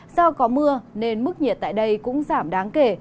do có mưa nên mức nhiệt tại đây cũng giảm đáng kể